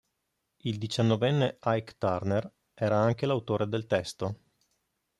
Il diciannovenne Ike Turner era anche l'autore del testo.